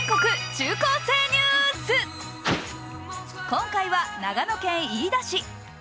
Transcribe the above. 今回は長野県飯田市。